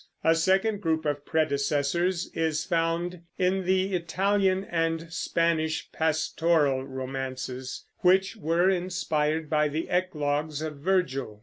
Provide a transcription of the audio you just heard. A second group of predecessors is found in the Italian and Spanish pastoral romances, which were inspired by the Eclogues of Virgil.